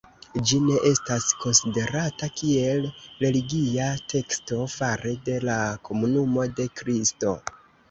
Ĝi ne estas konsiderata kiel religia teksto fare de la Komunumo de Kristo.